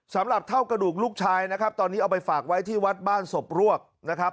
สำหรับเท่ากระดูกลูกชายนะครับตอนนี้เอาไปฝากไว้ที่วัดบ้านศพรวกนะครับ